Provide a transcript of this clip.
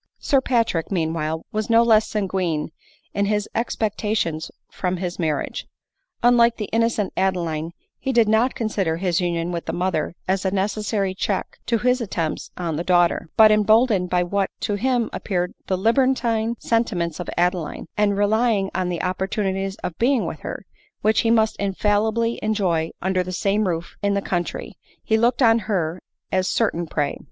Sir Patrick, meanwhile, was no less sanguine in his 6x» pectations from his marriage. Unlike the innocent Ade line, he did not consider his union with the mother as a necessary check to his attempts on the daughter ; but emboldened by what to him appeared the libertine senti L 52 ADELINE MOWBRAY. ments of Adeline, and relying on the opportunities of being with her, which he must infallibly enjoy under the same roof in the country, he looked on her as his certain prey.